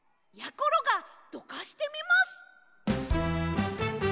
ころがどかしてみます！